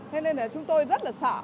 thế nên là chúng tôi rất là sợ